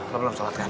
lo belum sholat kan